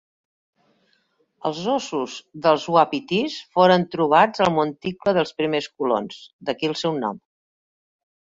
Els ossos dels uapitís foren trobats al monticle pels primers colons, d'aquí el seu nom.